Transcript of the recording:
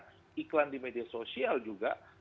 bahkan iklan di media sosial juga